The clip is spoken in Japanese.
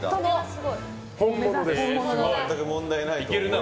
全く問題なと思いますよ。